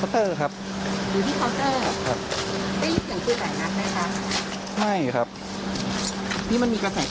ตอนเกิดเหตุตอนนั้นพี่นั่งอยู่ตรงไหนนะ